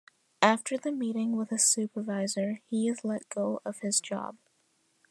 After the meeting with his supervisor, he is let go of his job.